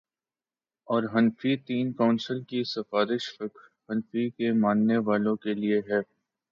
اورحنفی تین کونسل کی سفارش فقہ حنفی کے ماننے والوں کے لیے ہے۔